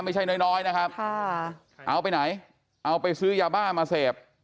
ไม่ใช่น้อยนะครับเอาไปไหนเอาไปซื้อยาบ้ามาเสพ